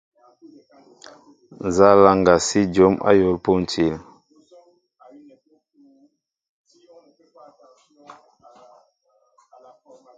Nza laŋga si jǒm ayȏl pȗntil ?